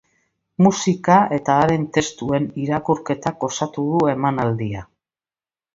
Musika eta haren testuen irakurketak osatu du emanaldia.